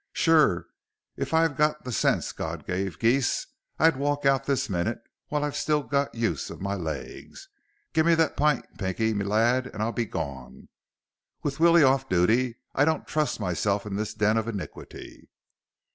"Sure, if I've got the sense God gave geese, I'll walk out this minute while I've still got the use of my legs. Give me that pint, Pinky m'lad, and I'll be gone. With Willie off duty, I don't trust myself in this den of iniquity."